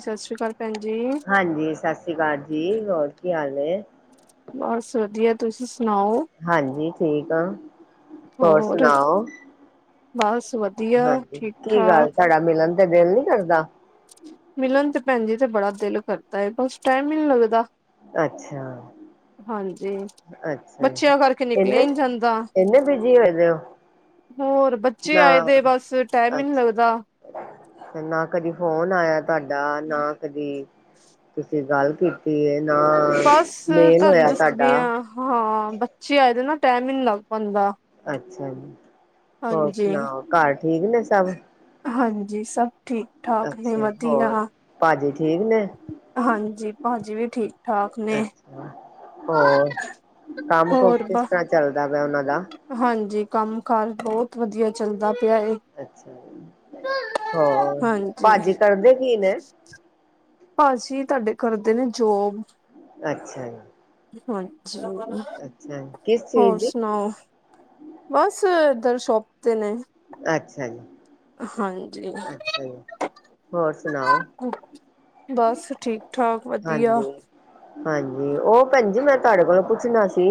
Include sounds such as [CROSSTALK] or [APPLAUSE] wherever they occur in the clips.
ਸਸ ਸ੍ਰੀ ਕਾਲ ਭੈਣ ਜੀ। ਹਾਂਜੀ ਸਸ ਸ੍ਰੀ ਕਾਲ ਜੀ ਹੋਰ ਕੀ ਹਾਲ ਹੈ। ਬਸ ਵਧੀਆ ਤੁਸੀਂ ਸੁਣਾਓ? ਹਾਂਜੀ, ਠੀਕ ਆ ਹੋਰ ਸੁਣਾਓ। ਬਸ ਵਧ ਹਾਂਜੀ ਕੀ ਗੱਲ ਤੁਹਾਡਾ ਮਿਲਣ ਤੇ ਦਿਲ ਨੀ ਕਰਦਾ। ਮਿਲਣ ਤੇ ਭੈਣ ਜੀ ਤੇ ਬੜਾ ਦਿਲ ਕਰਦਾ ਹੈ ਬਸ ਟੈਮ ਹੀ ਨੀ ਲੱਗਦਾ। ਅੱਛਾ ਹਾਂਜੀ ਅੱਛਾ ਬੱਚਿਆਂ ਕਰਕੇ ਨਿਕਲਿਆ ਇਹਨੇ, ਹੀ ਨੀ ਜਾਂਦਾ ਇਹਨੇ ਬਿਜੀ ਹੋਏ ਦੇ ਹੋ। ਹੋਰ ਬੱਚੇ ਨਾ ਆਏ ਦੇ ਬਸ ਟਾਈਮ ਹੀ ਨੀ ਅੱਛਾ ਲੱਗਦਾ। ਤੇ ਨਾ ਕਦੀ ਫੋਨ ਆਇਆ ਤੁਹਾਡਾ ਨਾ ਕਦੀ ਤੁਸੀਂ ਗੱਲ ਕੀਤੀ ਨਾ ਬਸ ਮੇਲ ਤੁਹਾਨੂੰ ਹੋਇਆ ਸਾਡਾ। ਦੱਸਦੀ ਆ ਹਾਂ ਬੱਚੇ ਆਏ ਦੇ ਨਾ ਟੈਮ ਹੀ ਨੀ ਲੱਗ ਪਾਂਦਾ। ਅੱਛਾ ਜੀ, ਹੋਰ ਸੁਣਾਓ ਘਰ ਠੀਕ ਨੇ ਸਭ। ਹਾਂਜੀ, ਸਬ ਠੀਕ-ਠਾਕ ਨੇ ਅੱਛਾ ਹੋਰ ਵਦੀਆ। ਭਾਜੀ ਠੀਕ ਨੇ। ਹਾਂਜੀ ਭਾਜੀ ਵੀ ਠੀਕ ਠਾਕ ਨੇ। ਹੋਰ ਕੰਮ ਕੁਮ ਹੋਰ ਕਿਸ ਬਸ ਤਰ੍ਹਾਂ ਚੱਲਦਾ ਪਿਆ ਉਹਨਾਂ ਦਾ। ਹਾਂਜੀ ਕੰਮ ਕਾਰ ਬੌਤ ਵਧੀਆ ਚੱਲਦਾ ਪਿਆ ਹੈ। ਅੱਛਾ ਹੋਰ ਹਾਂਜੀ ਭਾਜੀ ਕਰਦੇ ਕੀ ਨੇ? ਭਾਜੀ ਤੁਹਾਡੇ ਕਰਦੇ ਨੇ ਜੋਬ। ਅੱਛਾ ਜੀ ਹਾਂਜੀ ਅੱਛਾ ਜੀ ਕਿਸ ਚੀਜ਼ ਹੋਰ ਦੀ ਸੁਣਾਓ। ਬਸ ਇੱਧਰ ਸ਼ੋਪ ਤੇ ਨੇ। ਅੱਛਾ ਜੀ ਹਾਂਜੀ। ਅੱਛਾ ਜੀ ਹੋਰ ਸੁਣਾਓ ਬਸ ਠੀਕ ਠਾਕ ਵਧੀਆ। ਹਾਂਜੀ ਹਾਂਜੀ ਉਹ ਭੈਣ ਜੀ ਮੈਂ ਤੁਹਾਡੇ ਕੋਲੋਂ ਪੁੱਛਣਾ ਸੀ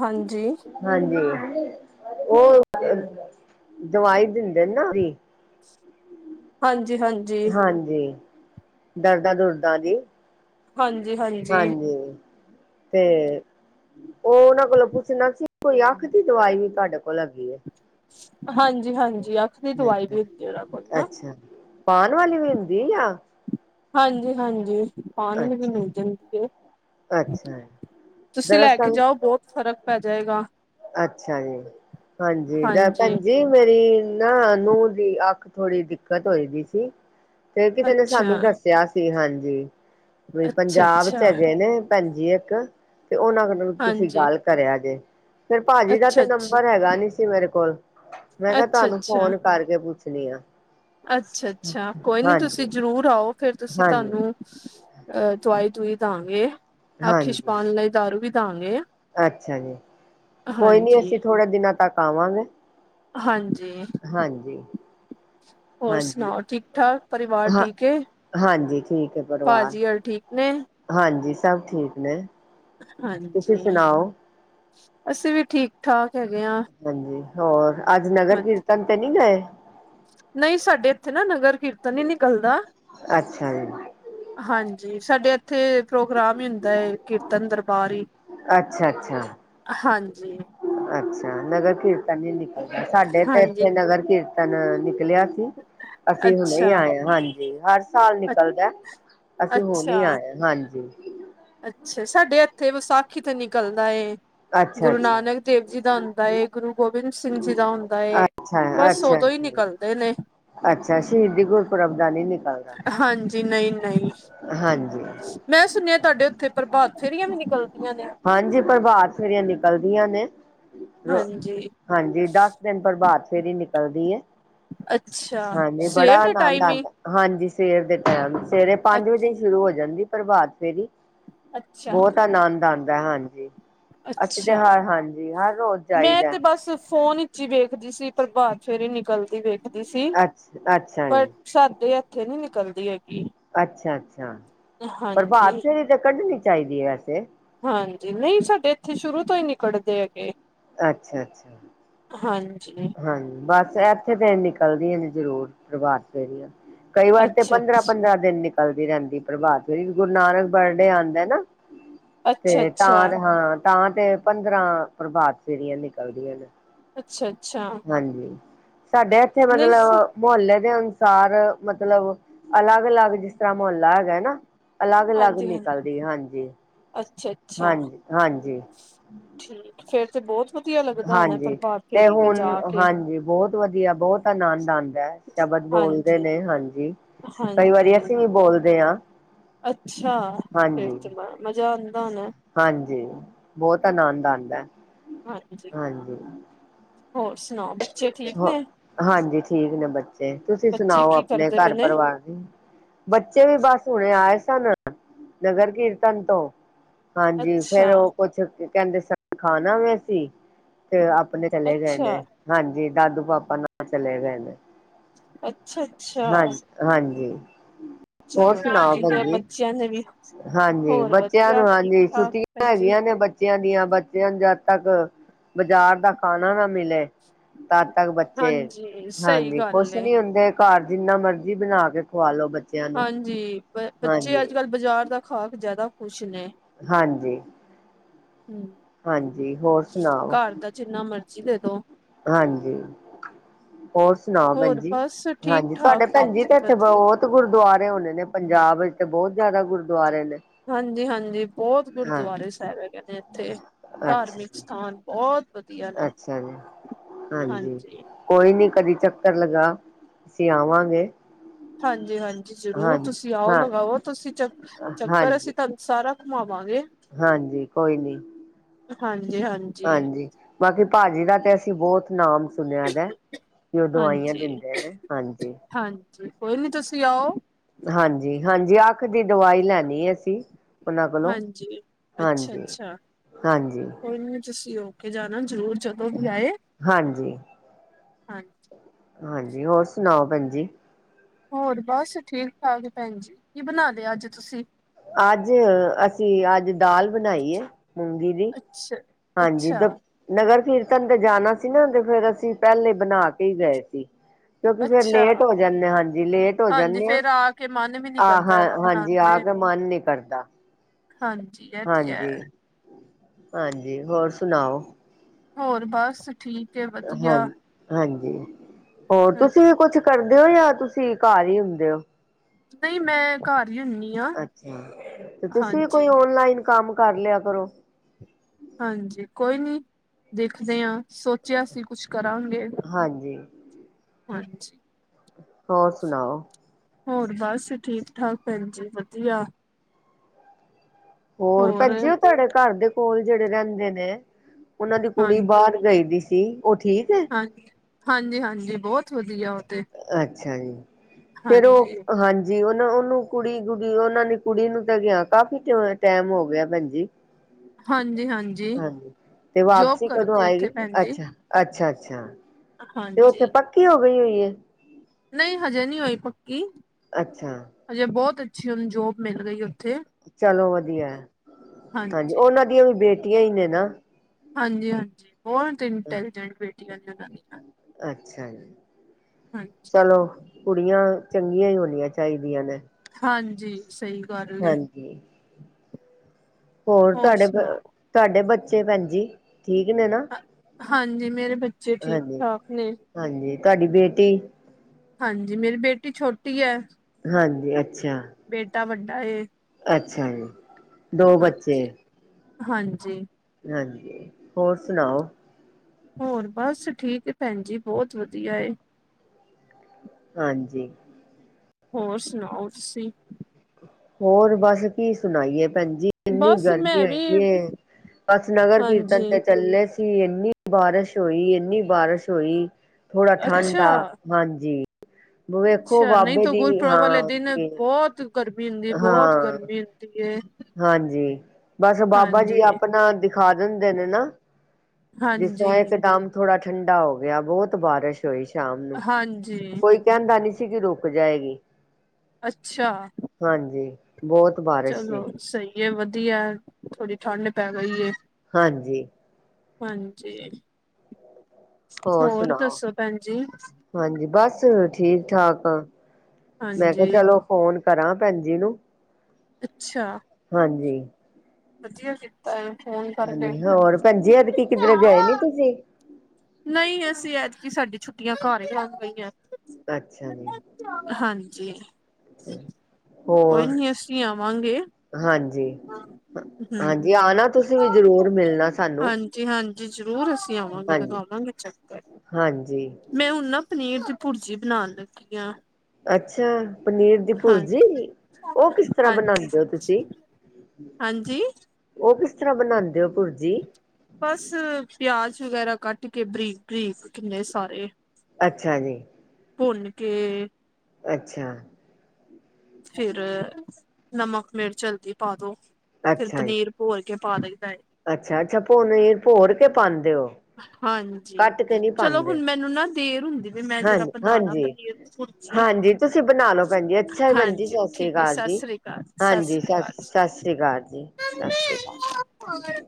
ਹਾਂਜੀ। ਹਾਂਜੀ ਉਹ ਦਵਾਈ ਦਿੰਦੇ ਨਾ ਉਹਦੀ ਹਾਂਜੀ-ਹਾਂਜੀ। ਹਾਂਜੀ ਦਰਦਾਂ ਦੁਰਦਾਂ ਜੀ। ਹਾਂਜੀ ਤੇ ਉਹ ਉਹਨਾ ਕੋਲੋਂ ਪੁੱਛਣਾ ਸੀ ਕੋਈ ਅੱਖ ਦੀ ਦਵਾਈ ਵੀ ਤੁਹਾਡੇ ਕੋਲ ਹੈੱਗੀ ਹੈ। ਹਾਂਜੀ ਹਾਂਜੀ ਅੱਖ ਦੀ ਹੈ ਦਵਾਈ ਵੀ ਹੁੰਦੀ ਉਹਨਾ ਕੋਲ ਨਾ। ਅੱਛਾ ਪਾਉਣ ਵਾਲੀ ਵੀ ਹੁੰਦੀ ਆ ਯਾ ਹਾਂਜੀ-ਹਾਂਜੀ। ਪਾਣੀ ਵੀ ਅੱਛਾ ਮਿਲ ਜਾਂਦੀ ਏ, ਅੱਛਾ ਤੁਸੀਂ ਲੈ ਕੇ ਦਰਅਸਲ ਜਾਓ ਬਹੁਤ ਫ਼ਰਕ ਪੈ ਜਾਏਗਾ। ਅੱਛਾ ਜੀ ਹਾਂਜੀ ਲੈ ਭੈਣਜੀ ਮੇਰੀ ਨਾ ਨੂੰਹ ਦੀ ਅੱਖ ਥੋੜ੍ਹੀ ਦਿੱਕਤ ਹੋਈ ਗੀ ਸੀ ਤੇ ਕਿਸੇ ਨੇ ਅੱਛਾ ਸਾਨੂੰ ਦੱਸ ਦੱਸਿਆ ਸੀ। ਹਾਂਜੀ ਵੀ ਅੱਛਾ ਪੰਜਾਬ ਚ ਅੱਛਾ ਹੈਗੇ ਨੇ ਭੈਣਜੀ ਇੱਕ ਤੇ ਉਹਨਾਂ ਤੁਸੀਂ ਹਾਂਜੀ ਗੱਲ ਕਰਿਆ ਜੇ ਫਿਰ ਭਾਜੀ ਦਾ ਅੱਛਾ ਤੇ ਅੱਛਾ ਨੰਬਰ ਹੈਗਾ ਨੀਸੀ ਮੇਰੇ ਕੋਲ। ਮੈਂ ਕਿਹਾ ਤੁਆਨੂੰ ਅੱਛਾ-ਅੱਛਾ, ਫੋਨ ਕਰਕੇ ਪੁੱਛਣੀ ਆ ਅੱਛਾ-ਅੱਛਾ ਕੋਈ ਨੀ ਹਾਂਜੀ ਤੁਸੀਂ ਜਰੂਰ ਆਓ ਫੇਰ ਤੁਸੀਂ ਹਾਂਜੀ ਤੁਆਨੂੰ ਅ ਦਵਾਈ ਦਵੂਈ ਦਾਂਗੇ, ਅੱਖ ਚ ਹਾਂਜੀ ਪਾਣ ਲਈ ਦਾਰੂ ਵੀ ਦਾਂਗੇ। ਅੱਛਾ ਜੀ, ਕੋਈ ਨੀ ਅਸੀਂ ਹਾਂਜੀ। ਥੋੜੇ ਦਿਨਾਂ ਤੱਕ ਆਵਾਂਗੇ। ਹਾਂਜੀ। ਹਾਂਜੀ ਹੋਰ ਹਾਂਜੀ ਸੁਣਾਓ, ਠੀਕ-ਠਾਕ ਪਰਿਵਾਰ ਹਾਂ ਠੀਕ ਐ? ਹਾਂਜੀ ਠੀਕ ਐ ਪਰਿਵਾਰ ਨੇ ਹਾਂਜੀ ਸਭ ਠੀਕ ਨੇ। ਤੁਸੀਂ ਹਾਂਜੀ, ਸੁਣਾਓ ਅਸੀਂ ਵੀ ਠੀਕ ਠਾਕ ਹੈਗੇ ਆ। ਹਾਂਜੀ, ਹੋਰ ਅੱਜ ਨਗਰ ਕੀਰਤਨ ਤੇ ਨੀ ਗਏ। ਨਹੀਂ ਸਾਡੇ ਇੱਥੇ ਨਾ ਨਗਰ ਕੀਰਤਨ ਨਹੀ ਨਿਕਲਦਾ। ਅੱਛਾ ਜੀ। ਹਾਂਜੀ ਸਾਡੇ ਇੱਥੇ ਪ੍ਰੋਗਰਾਮ ਹੀ ਹੁੰਦਾ ਹੈ। ਕੀਰਤਨ ਦਰਬਾਰ ਹੀ ਅੱਛਾ-ਅੱਛਾ ਹਾਂਜੀ ਅੱਛਾ, ਨਗਰ ਕੀਰਤਨ ਨੀ ਨਿਕਲਦਾ। ਸਾਡੇ ਤੇ ਇੱਥੇ ਨਗਰ ਕੀਰਤਨ ਨਿਕਲਿਆ ਸੀ। ਅਸੀਂ ਹੁਣੇ ਈ ਅੱਛਾ, ਆਏ ਆ, ਹਾਂਜੀ ਹਰ ਸਾਲ ਨਿਕਲਦਾ ਏ, ਅਸੀਂ ਹੁਣ ਹੀ ਅੱਛਾ ਆਏ ਹਾਂ। ਹਾਂਜੀ ਅੱਛਾ ਸਾਡੇ ਐਥੇ ਵਿਸਾਖੀ ਤੇ ਨਿਕਲਦਾ ਏ। ਅੱਛਾ ਗੁਰੂ ਅੱਛਾ ਨਾਨਕ ਦੇਵ ਜੀ ਦਾ ਆਂਦਾ ਏ ਗੁਰੂ ਗੋਬਿੰਦ ਸਿੰਘ ਜੀ ਦਾ ਆਉਦਾ ਏ। ਅੱਛਾ ਬਸ ਅੱਛਾ ਓਦੋਂ ਹੀ ਅੱਛਾ ਨਿਕਲਦੇ ਨੇ ਅੱਛਾ ਸ਼ਹੀਦੀ, ਗੁਰਪੁਰਬ ਦਾ ਨੀ ਨਿਕ ਹਾਂਜੀ, ਨਹੀਂ-ਨਹੀਂ ਹਾਂਜੀ ਮੈਂ ਸੁਣਿਆ ਤੁਆਡੇ ਉੱਥੇ ਪ੍ਰਭਾਤ ਫੇਰੀਆਂ ਵੀ ਨਿਕਲਦੀਆਂ ਨੇ। ਹਾਂਜੀ ਪ੍ਰਭਾਤ ਫੇਰੀਆਂ ਨਿਕਲਦੀਆਂ ਨੇ ਰੋ ਹਾਂਜੀ। ਹਾਂਜੀ ਦਸ ਦਿਨ ਪ੍ਰਭਾਤ ਫੇਰ ਨਿਕਲਦੀ ਐ ਅੱਛਾ ਹਾਂਜੀ, ਬੜਾ ਸਵੇਰ ਦੇ ਆਨੰਦ ਟਾਈਮ ਆਂਦਾ ਹੀ ਹਾਂਜੀ ਸਵੇਰ ਦੇ ਟੈਮ ਸਵੇਰੇ ਅ ਪੰਜ ਵਜੇ ਸ਼ੁਰੂ ਹੋ ਜਾਂਦੀ ਪ੍ਰਭਾਤ ਫੇਰੀ ਅੱਛਾ ਬਹੁਤ ਆਨੰਦ ਆਂਦਾ ਹਾਂਜੀ ਅਸੀਂ ਤੇ ਅੱਛਾ, ਹਰ ਹਾਂਜੀ ਹਰ ਰੋਜ਼ ਮੈਂ ਜਾਈਦਾ ਤੇ ਬਸ ਫੋਨ ਜੀ ਵੇਖਦੀ ਸੀ। ਪਰਭਾਤ ਫੇਰੀਂ ਨਿਕਲਦੀ ਵੇਖਦੀ ਸੀ ਅੱਛਾ ਅੱਛਾ ਪਰ ਜੀ ਸਾਡੇ ਐਥੇ ਨੀ ਨਿਕਲਦੀ ਹੈਗੀ। ਅੱਛਾ-ਅੱਛਾ ਹਾਂਜੀ ਪ੍ਰਭਾਤ ਫੇਰੀ ਤੇ ਕੱਢਣੀ ਚਾਈਦੀ ਏ ਵੈਸੇ ਹਾਂਜੀ ਨਹੀਂ ਸਾਡੇ ਐਥੇ ਸ਼ੁਰੂ ਤੋਂ ਈ ਨੀ ਕੱਡਦੇ ਹੈਗੇ। ਅੱਛਾ-ਅੱਛਾ। ਹਾਂਜੀ ਹਾਂਜੀ ਬਸ ਐਥੇ ਤੇ ਨਿਕਲਦੀਆਂ ਨੇ ਜ਼ਰੂਰ ਪ੍ਰਭਾਤ ਫੇਰੀਆਂ ਕਈ ਵਾਰ ਤੇ ਅੱਛਾ ਪੰਦਰਾਂ ਅੱਛ ਪੰਦਰਾਂ ਦਿਨ ਨਿਕਲਦੀ ਰਹਿੰਦੀ ਪ੍ਰਭਾਤ ਫੇਰੀ ਗੁਰੂ ਨਾਨਕ ਬਰਡੇ ਆਂਦਾ ਏ ਨਾ। ਅੱਛਾ ਤੇ ਅੱਛਾ, ਤਾਂ ਹਾਂ ਤਾਂ ਤੇ ਪੰਦਰਾਂ ਪ੍ਰਭਾਤ ਫੇਰੀਆ ਨਿਕਲਦੀਆਂ ਨੇ। ਅੱਛਾ-ਅੱਛਾ। ਹਾਂਜੀ, ਸਾਡੇ ਐਥੇ ਮਤਲਬ ਮੁਹੱਲੇ ਦੇ ਅਨੁਸਾਰ ਮਤਲਬ ਅਲੱਗ-ਅਲੱਗ ਜਿਸ ਤਰ੍ਹਾਂ ਮੁਹੱਲਾ ਹੈਗਾ ਨਾ ਅਲੱਗ-ਅਲੱਗ ਨਿਕਲਦੀ ਹਾਂਜੀ। ਅੱਛਾ-ਅੱਛਾ ਹਾਂਜੀ ਹਾਂਜੀ ਠੀਕ ਫੇਰ ਤੇ ਬਹੁਤ ਵਧੀਆ ਲੱਗਦਾ ਹੋਣਾ ਹਾਂਜੀ ਪ੍ਰਭਾਤ ਤੇ ਫੇਰੀ ਹੁਣ ਜਾ ਕੇ ਹਾਂਜੀ, ਬਹੁਤ ਵਧੀਆ, ਬਹੁਤ ਆਨੰਦ ਆਉਂਦਾ ਹੈ। ਸ਼ਬਦ ਬੋਲਦੇ ਹਾਂਜੀ। ਨੇ ਹਾਂਜੀ, ਕਈ ਵਾਰੀ ਹਾਂਜੀ, ਅਸੀਂ ਵੀ ਬੋਲਦੇ ਹਾਂ। ਅੱਛਾ, ਫਿਰ ਹਾਂਜੀ ਤੇ ਬੜਾ ਮਜ਼ਾ ਆਉਂਦਾ ਹੋਣਾ। ਹਾਂਜੀ, ਬਹੁਤ ਆਨੰਦ ਆਉਂਦਾ। ਹਾਂਜੀ, ਹੋਰ ਸੁਣਾਓ? ਠੀਕ ਹ, ਨੇ, ਹਾਂਜੀ ਠੀਕ ਨੇ ਬੱਚੇ, ਤੁਸੀਂ ਬੱਚੇ ਸੁਣਾਓ ਕੀ ਆਪਣੇ ਕਰਦੇ ਪਏ ਘਰ ਨੇ ਪਰਿਵਾਰ ਦੀ? ਬੱਚੇ ਵੀ, ਬਸ ਹੁਣੇ ਆਏ ਸਨ। ਨਗਰ ਕੀਰਤਨ ਤੋਂ ਹਾਂਜੀ ਫੇਰ ਅੱਛਾ। ਉਹ ਕੁਛ ਕਹਿੰਦੇ ਸਨ, ਖਾਨਾ ਵੇ ਅਸੀ ਤੇ ਆਪਣੇ ਚਲੇ ਗਏ ਅੱਛਾ, ਨੇ, ਹਾਂਜੀ ਦਾਦੂ ਪਾਪਾ ਨਾਲ, ਚਲੇ ਗਏ ਨੇ। ਅੱਛਾ -ਅੱਛਾ। ਹਾਂ ਹਾਂਜੀ, ਹੋਰ ਚਲੋ ਸੁਣਾਓ ਭੈੰਜੀ? [UNINTELLIGIBLE] ਹਾਂਜੀ, ਹੋਰ ਬੱਚਿਆਂ ਵਧੀਆ ਨੂੰ ਠੀਕ ਹਾਂਜੀ, ਠਾਕ ਛੁੱਟੀਆਂ ਭੈਣਜੀ, ਹੈਗੀਆਂ ਨੇ ਬੱ ਬੱਚਿਆਂ ਦੀਆਂ ਬੱਚਿਆਂ ਨੂੰ ਜਦ, ਤੱਕ ਬਾਜ਼ਾਰ ਦਾ ਖਾਣਾ ਨਾ ਮਿਲੇ ਤਦ ਤੱਕ, ਬੱਚੇ ਹਾਂਜੀ ਸਹੀ ਹਾਂਜੀ, ਗੱਲ ਖੁਸ਼ ਏ। ਨਹੀਂ ਹੁੰਦੇ। ਘਰ ਜਿੰਨਾ, ਮਰਜੀ ਬਣਾ ਕੇ ਖਵਾ ਲੋ ਬੱ ਹਾਂਜੀ, ਬ ਬੱਚੇ, ਅੱਜ- ਕੱਲ੍ਹ ਬਾਜ਼ਾਰ ਦਾ ਖਾ ਕੇ, ਜ਼ਿਆਦਾ ਖ਼ੁਸ਼ ਨੇ। ਹਾਂਜੀ। ਹਮ। ਹਾਂਜੀ, ਹੋਰ ਸੁਣਾਓ? ਘਰ ਦਾ, ਜਿੰਨਾ ਮਰਜ਼ੀ ਦੇ ਦੋ। ਹਾਂਜੀ, ਹੋਰ ਸੁਣਾਓ, ਭੈਣ ਹੋਰ ਜੀ, ਬਸ ਠੀਕ ਹਾਂਜੀ ਠਾਕ ਤੁਹਾਡੇ ਭੈਣ ਜੀ, ਤੇ ਇੱਥੇ ਵਧੀਆ ਬਹੁਤ ਗੁਰਦੁਆਰੇ ਹੋਣੇ ਨੇ, ਪੰਜਾਬ ਵਿੱਚ ਤੇ, ਬਹੁਤ ਜ਼ਿਆਦਾ ਗੁਰਦੁਆਰੇ ਨੇ। ਹਾਂਜੀ- ਹਾਂਜੀ ਬਹੁਤ, ਹਾਂ ਗੁਰਦੁਆਰੇ ਸਾਹਿਬ ਹੈਗੇ ਨੇ, ਇੱਥੇ ਅੱਛਾ ਧਾਰਮਿਕ ਜੀ, ਸਥਾਨ। ਬਹੁਤ ਵਧੀਆ ਨੇ। ਅੱਛਾ ਜੀ, ਹਾਂਜੀ। ਕੋਈ ਨੀ, ਕਦੀ ਚੱਕਰ ਲਗਾ, ਅਸੀਂ ਆਵਾਂਗੇ। ਹਾਂਜੀ -ਹਾਂਜੀ, ਜ਼ਰੂਰ ਹਾਂਜੀ ਤੁਸੀਂ ਆਓ, ਹਾਂ ਲਗਾਓ ਤੁਸੀਂ ਚੱਕ, ਚੱਕਰ ਹਾਂਜੀ ਅਸੀਂ ਤੁਹਾਨੂੰ ਸਾਰਾ, ਘੁੰਮਾਵਾਂਗੇ। ਹਾਂਜੀ, ਕੋਈ ਨੀ। ਹਾਂਜੀ- ਹਾਂਜੀ। ਹਾਂਜੀ, ਬਾਕੀ ਭਾਜੀ ਦਾ ਤੇ, ਅਸੀਂ ਬਹੁਤ ਨਾਮ ਸੁਣਿਆ ਦਾ। ਵੀ ਉਹ, ਦਵਾਈਆਂ ਹਾਂਜੀ ਦਿੰਦੇ ਨੇ, ਹਾਂਜੀ। ਹਾਂਜੀ ਕੋਈ ਨੀ ਤੁਸੀਂ ਆਓ ਹਾਂਜੀ- ਹਾਂਜੀ, ਅੱਖ ਦੀ ਦਵਾਈ ਲੈਣੀ ਏ, ਅਸੀਂ। ਉਹਨਾਂ ਕੋਲੋਂ ਹਾਂਜੀ, ਅੱਛਾ ਹਾਂਜੀ -ਅੱਛਾ, ਹਾਂਜੀ ਕੋਈ ਨੀ ਤੁਸੀਂ ਉਹ ਹੋ ਕੇ ਜਾਣਾ, ਜਰੂਰ ਜਦੋਂ ਵੀ ਆਏ, ਹਾਂਜੀ ਹਾਂਜੀ। ਹਾਂਜੀ, ਹੋਰ ਸੁਣਾਓ ਭੈਣ ਜੀ? ਹੋਰ, ਬਸ ਠੀਕ -ਠਾਕ ਭੈਣ ਜੀ, ਕੀ ਬਣਾਲਿਆ ਅੱਜ ਤੁਸੀਂ? ਅੱਜ, ਅਸੀਂ ਅੱਜ, ਦਾਲ ਬਣਾਈ ਹੈ। ਮੂੰਗੀ ਦੀ, ਅੱਛਾ ਹਾਂਜੀ। ਅੱਛਾ ਨਗਰ ਕੀਰਤਨ ਤੇ ਜਾਣਾ ਸੀ ਨਾ, ਤੇ ਫਿਰ ਅਸੀਂ ਪਹਿਲੇ ਬਣਾ ਕੇ ਹੀ ਗਏ ਸੀ। ਕਿਉਂਕਿ ਫਿਰ ਅੱਛਾ ਲੇਟ ਹੋ ਜਾਂਦੇ, ਹਾਂਜੀ ਲੇਟ ਹੋ ਹਾਂਜੀ ਜਾਂਦੇ ਹਾਂ, ਫੇਰ ਆ ਕੇ ਮਨ ਵੀ ਨੀ ਆ ਕਰਦਾ ਹਾਂ ਹੈਗਾ ਬਣਾਉਣ ਹਾਂਜੀ ਆ ਤੇ ਮਨ ਨੀ, ਕਰਦਾ। ਹਾਂਜੀ ਇਹ ਤੇ ਹੈ ਹਾਂਜੀ -ਹਾਂਜੀ, ਹੋਰ ਸੁਣਾਓ? ਹੋਰ, ਬਸ -ਠੀਕ। ਹੈ ਹਾਂ, ਵਧੀਆ ਹੋਰ ਹਾਂ ਤੁਸੀਂ ਵੀ ਕੁਛ-। ਕਰਦੇ ਹੋ,, ਜਾਂ ਤੁਸੀਂ ਘਰ ਹੀ ਹੁੰਦੇ ਹੋ? ਨਹੀਂ ਮੈਂ, ਘਰ ਹੀ ਹੁੰਨੀ ਅੱਛਾ ਤੇ, ਤੁਸੀਂ ਵੀ ਕੋਈ ਓਨਲਾਈਨ ਕੰਮ ਕਰ ਲਿਆ ਕਰੋ? ਹਾਂਜੀ ਕੋਈ ਨੀ ਦੇਖਦੇ ਆ ਸੋਚਿਆ ਸੀ ਕੁਛ ਕਰਾਂਗੇ। ਹਾਂਜੀ। ਹਾਂਜੀ। ਹੋਰ ਸੁਣਾਓ। ਹੋਰ ਬਸ ਠੀਕ ਠਾਕ ਭੈਣ ਜੀ ਵਦੀਆ। ਹੋਰ ਭੈਣ ਜੀ ਓ ਤੁਆਡੇ ਘਰ ਦੇ ਕੋਲ ਜੇੜੇ ਰੈਂਦੇ ਨੇ ਉਨਾਂ ਦੀ ਕੁੜੀ ਬਾੱਰ ਗਈ ਦੀ ਸੀ ਓ ਠੀਕ ਐ। ਹਾਂ, ਹਾਂਜੀ-ਹਾਂਜੀ ਬੌਤ ਵਦੀਆ ਓ ਤੇ। ਅੱਛਾ ਜੀ, ਫਿਰ ਓ ਹਾਂਜੀ ਹਾਂਜੀ। ਜੀ ਓਨੋ ਉਨੂੰ ਕੁੜੀ ਉਨਾਂ ਦੀ ਕੁੜੀ ਨੂੰ ਤੇ ਗਿਆ ਕਾਫੀ ਟੈਮ ਹੋ ਗਿਆ ਭੈਣਜੀ। ਹਾਂਜੀ-ਹਾਂਜੀ। ਹਾਂਜੀ, ਤੇ ਜੋਬ ਵਾਪਸੀ ਕਦੋਂ ਕਰਦੀ ਆਏਗੀ ਉੱਥੇ ਭੈਣ ਜੀ ਅੱਛਾ, ਅੱਛਾ, ਅੱਛਾ। ਤੇ ਓੱਥੇ ਪੱਕੀ ਹੋ ਗਈ ਹੋਈ ਏ। ਨਈ ਹਜੇ ਨੀ ਹੋਈ ਪੱਕੀ। ਅੱਛਾ। ਹਜੇ ਬੌਤ ਅੱਛੀ ਓਨੁ ਜੋਬ ਮਿਲ ਗਈ ਓੱਥੇ। ਚਲੋ ਵਦੀਆ ਹਾਂਜੀ ਉਨਾਂ ਦੀਆਂ ਵੀ ਬੇਟੀਆਂ ਈ ਨੇ ਨਾ। ਹਾਂਜੀ-ਹਾਂਜੀ, ਬੌਤ ਇੰਟੈਲੀਜੈਂਟ ਬੇਟੀਆਂ ਨੇ ਉਨਾਂ ਦੀਆਂ। ਅੱਛਾ ਜੀ। ਹਾਂਜੀ। ਚਲੋ ਕੁੜੀਆਂ ਚੰਗੀਆਂ ਈ ਹੋਣੀਆਂ ਚਾਈਦੀਆਂ ਨੇ। ਹਾਂਜੀ, ਸਈ ਗੱਲ ਏ। [UNINTELLIGIBLE] ਹੋਰ ਤੁਆਡੇ ਬ ਤੁਆਡੇ ਬੱਚੇ ਭੈਣ ਜੀ ਠੀਕ ਨੇ ਨਾ। ਹਾਂਜੀ, ਮੇਰੇ ਬੱਚੇ ਠੀਕ ਹਾਂਜੀ ਠਾਕ ਨੇ। ਹਾਂਜੀ, ਤੁਆਡੀ ਬੇਟੀ। ਹਾਂਜੀ, ਮੇਰੀ ਬੇਟੀ ਛੋਟੀ ਐ। ਹਾਂਜੀ, ਅੱਛਾ। ਬੇਟਾ ਵੱਡਾ ਏ। ਅੱਛਾ ਜੀ। ਦੋ ਬੱਚੇ ਹਾਂਜੀ, ਹਾਂਜੀ। ਹਾਂਜੀ, ਹੋਰ ਸੁਣਾਓ। ਹੋਰ ਬਸ ਠੀਕ ਏ ਭੈਣ ਜੀ ਬੌਤ ਵਦੀਆ ਏ। ਹਾਂਜੀ। ਹੋਰ ਸੁਣਾਓ ਤੁਸੀਂ। ਹੋਰ ਬਸ ਕੀ ਸੁਣਾਈਏ ਭੈਣ ਜੀ। ਇੰਨੀ ਬਸ ਗਰਮੀ ਮੈਂ ਵੀ ਹੋਈਦੀ ਏ, ਬਸ ਨਗਰ ਕੀਰਤਨ ਹਾਂਜੀ ਤੇ ਚੱਲੇ ਸੀ ਇੰਨੀ ਬਾਰਿਸ਼ ਹੋਈ, ਇੰਨੀ ਬਾਰਿਸ਼ ਹੋਈ ਥੋੜਾ ਠੰਡ ਅੱਛਾ, ਆ। ਹਾਂਜੀ, ਵੇਖੋ ਅੱਛਾ ਨਹੀਂ ਬਾਬੇ ਤਾਂ ਦੀ ਗੁਰਪੁਰਬ ਵਾਲੇ ਹਾਂ ਦਿਨ ਜੀ। ਬਹੁਤ ਗਰਮੀ ਹੁੰਦੀ ਬਹੁਤ ਹਾਂ, ਗਰਮੀ ਹੁੰਦੀ ਏ ਹਾਂਜੀ। ਬਸ ਬਾਬਾ ਜੀ ਹਾਂਜੀ, ਆਪਣਾ ਦਿ ਖਾ ਦਿੰਦੇ ਨੇ ਨਾ, ਜਿਸ ਤਰ੍ਹਾਂ ਹਾਂਜੀ, ਇੱਕਦਮ ਥੋੜਾ ਠੰਡਾ ਹੋ ਗਿਆ ਬੌਤ ਬਾਰਿਸ਼ ਹੋਈ ਸ਼ਾਮ ਨੂੰ, ਹਾਂਜੀ ਕੋਈ ਕੈਂਦਾ ਨੀ ਸੀ ਕਿ ਰੁਕ ਜਾਏਗੀ। ਅੱਛਾ। ਹਾਂਜੀ। ਬੌਤ ਬਾ ਚਲੋ ਸਈ ਏ ਵਦੀਆ ਥੋੜ੍ਹੀ ਠੰਢ ਪੈ ਗਈ ਏ। ਹਾਂਜੀ। ਹਾਂਜੀ, ਹੋਰ ਦੱਸੋ ਭੈਣ ਜੀ। ਹਾਂਜੀ, ਬਸ ਠੀਕ ਠਾਕ ਆ, ਮੈਂ ਕਿਆ ਹਾਂਜੀ ਚਲੋ ਫੋਨ ਕਰਾਂ ਭੈਣਜੀ ਨੂੰ। ਅੱਛਾ ਹਾਂਜੀ ਵਧੀਆ ਕੀਤਾ ਏ ਫੋਨ ਕਰਕੇ ਹਾਂਜੀ ਹੋਰ ਭੈਜੀ ਹਜੇ ਕਿਧਰ ਗਏ ਨੀ ਤੁਸੀਂ ਨਹੀਂ ਅਸੀਂ ਐਦਕੀ ਸਾਡੀ ਛੁੱਟੀਆਂ ਘਰ ਹੀ ਹੋ ਗਈਆਂ ਅੱਛਾ ਹਾਂਜੀ। ਤੇ ਕੋਈ ਨੀ ਅਸੀਂ ਆਵਾਂਗੇ। ਹਾਂਜੀ। ਹਮ ਹਾਂਜੀ ਆਣਾ ਤੁਸੀਂ ਵੀ ਜ਼ਰੂਰ ਮਿਲਣਾ ਸਾਨੂੰ, ਹਾਂਜੀ ਹਾਂਜੀ ਜ਼ਰੂਰ ਅਸੀਂ ਆਵਾਂਗੇ ਹਾਂਜੀ। ਲਗਾਵਾਂਗੇ ਚੱਕਰ ਹਾਂਜੀ ਮੈਂ ਹੁ ਨਾ ਪਨੀਰ ਦੀ ਭੁਰਜੀ ਬਣਾਉਣ ਲੱਗੀ ਹਾਂ ਅੱਛਾ ਪਨੀਰ ਦੀ ਹਾਂ ਭੁਰਜੀ ਉਹ ਕਿਸ ਤਰ੍ਹਾਂ ਹਾਂਜੀ-ਹਾਂਜੀ ਬਣਾਉਦੇ ਹੋ ਤੁਸੀਂ। ਹਾਂਜੀ ਹਾਂਜੀ ਉਹ ਕਿਸ ਤਰ੍ਹਾਂ ਬਣਾਉਂਦੇ ਹੋ ਪੁਰਜੀ ਬਸ ਪਿਆਜ ਵਗੈਰਾ ਕੱਟ ਕੇ ਬਰੀਕ ਬਰੀਕ ਕਿੰਨੇ ਸਾਰੇ ਅੱਛਾ ਜੀ। ਭੁਨਕੇ। ਅੱਛਾ ਫਿਰ ਨਮਕ ਮਿਰਚਲਦੀ ਪਾ ਦੋ ਫਿਰ ਅੱਛਾ ਜੀ ਪਨੀਰ ਹੋਲ ਚ ਪਾ ਦਈਦਾ ਅੱਛਾ ਅੱਛਾ ਭੋਨ ਭੋਰ ਕੇ ਪਾਉਂਦੇ ਹੋ ਹਾਂਜੀ ਕੱਟ ਕੇ ਨਹੀਂ ਚਲੋ ਪਾਉਂਦੇ ਹੁਣ ਮੈਨੂੰ ਨਾ ਦੇਰ ਹੁੰਦੀ ਪਈ ਮੈਂ ਜਰਾ ਹਾਂਜੀ ਬਣਾਣਾ ਹਾਂਜੀ ਪਨੀਰ ਭੁਰਜੀ ਹਾਂਜੀ ਤੁਸੀਂ ਬਣਾ ਲੋ ਭੈਣਜੀ ਅੱਛਾ ਭੈਣ ਜੀ ਹਾਂਜੀ ਸਤਿ ਸ੍ਰੀ ਠੀਕ ਹੈ ਅਕਾਲ ਸਤਿ ਜੀ ਸ੍ਰੀ ਅਕਾਲ ਸਤਿ ਹਾਂਜੀ ਸ੍ਰੀ ਸਤ ਅਕਾਲ ਸਤਿ ਸ਼੍ਰੀ ਅਕਾਲ ਜੀ ਸਤਿ ਸ਼੍ਰੀ ਅਕਾਲ ਹਾਂ